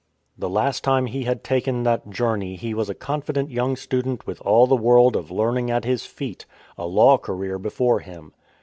The last time he had taken that journey he was a confident young student with all the world of learning at his feet, a Law career before him.